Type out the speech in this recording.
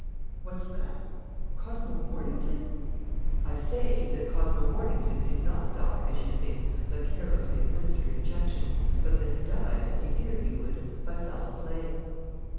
What's that? Cosmo Mornington ?" "I say that Cosmo Mornington did not die, as you think, of a carelessly administered injection, but that he died, as he feared he would, by foul play."